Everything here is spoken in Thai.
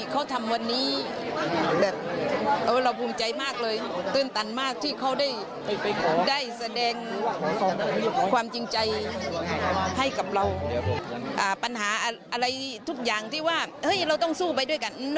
จะไปอยู่ใช้ชีวิตร่วมกันอยู่ที่นี่มั้ย